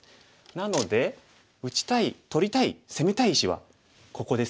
なので打ちたい取りたい攻めたい石はここですよね。